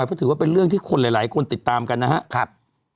เพราะถือว่าเป็นเรื่องที่คนหลายคนติดตามกันนะครับ